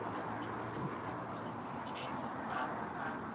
دولتونه د عامه افکارو د روښانولو لپاره کار کوي.